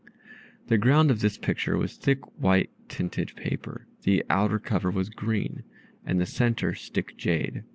The ground of this picture was thick white tinted paper, the outer cover was green, and the centre stick jade.